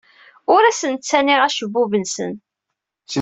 Ur asen-ttaniɣ acebbub-nsen.